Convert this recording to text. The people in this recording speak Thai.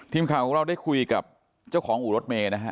ทีมข่าวของเราได้คุยกับเจ้าของอู่รถเมย์นะฮะ